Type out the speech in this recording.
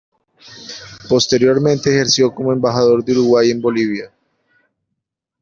Posteriormente ejerció como Embajador de Uruguay en Bolivia.